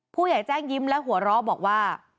ผู้ใหญ่แจ้งยิ้มและหัวเราะบอกว่า